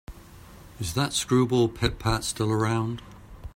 Is that screwball Pit-Pat still around?